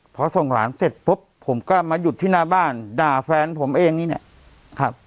พอส่งหลานเสร็จปุ๊บผมก็มาหยุดที่หน้าบ้านด่าแฟนผมเองนี่แหละครับ